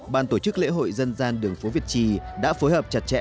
ban tổ chức lễ hội dân gian đường phố việt trì đã phối hợp chặt chẽ